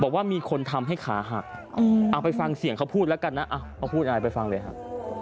บอกว่ามีคนทำให้ขาหักเอาไปฟังเสียงเขาพูดแล้วกันนะเขาพูดอะไรไปฟังเลยครับ